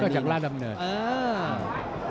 จากราชดำเนิน